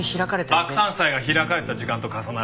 爆誕祭が開かれた時間と重なる。